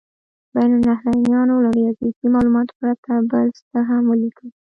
بین النهرینیانو له ریاضیکي مالوماتو پرته بل څه هم ولیکل.